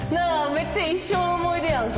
めっちゃ一生の思い出やん